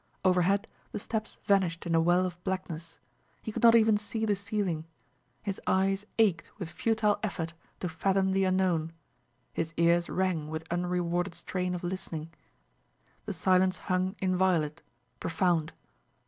Overhead the steps vanished in a well of blackness; he could not even see the ceiling; his eyes ached with futile effort to fathom the unknown; his ears rang with unrewarded strain of listening. The silence hung inviolate, profound.